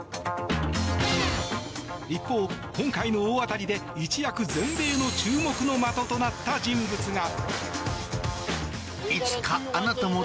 一方、今回の大当たりで一躍全米の注目の的となった人物が。